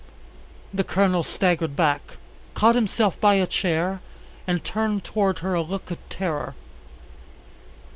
The Colonel staggered back, caught himself by a chair, and turned towards her a look of terror.